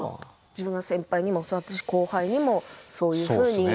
自分が先輩にも教わったし後輩にもそういうふうにして。